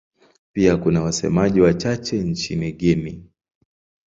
Pia kuna wasemaji wachache nchini Guinea.